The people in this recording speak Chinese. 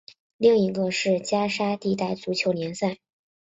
另一个是加沙地带足球联赛。